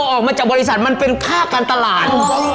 ออกมาจากบริษัทมันเป็นค่าการตลาด